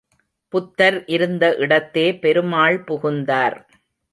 புத்தர் இருந்த இடத்தே பெருமாள் புகுந்தார்.